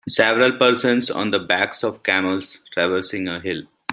Several persons on the backs of camels traversing a hill.